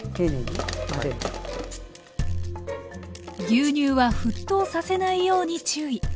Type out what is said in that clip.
牛乳は沸騰させないように注意。